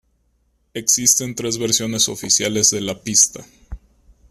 Existen tres versiones oficiales de la pista.